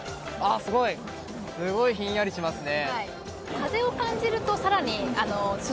すごいひんやりしますね。